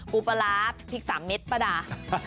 ปูปลาร้าพริก๓เม็ดป้าดา